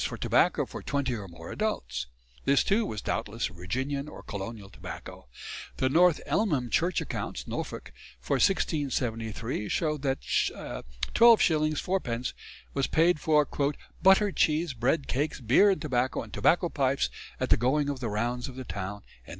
for tobacco for twenty or more adults. This too was doubtless Virginian or colonial tobacco. The North Elmham Church Accounts (Norfolk) for 1673 show that 12s. 4 d. was paid for "Butter, cheese, Bread, Cakes, Beere and Tobacco and Tobacco Pipes at the goeing of the Rounds of the Towne."